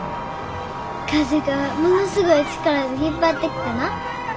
風がものすごい力で引っ張ってきてな。